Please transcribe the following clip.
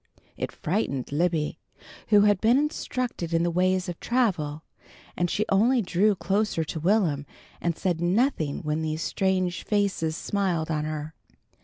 It frightened Libby, who had been instructed in the ways of travel, and she only drew closer to Will'm and said nothing when these strange faces smiled on her.